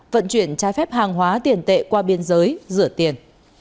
vận chuyển trái phép hàng hóa tiền tệ qua biên giới rửa tiền